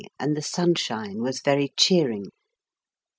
6 and the sunshine was very cheering."